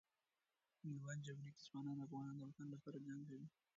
میوند جګړې کې ځوان افغانان د وطن لپاره جنګ کوي.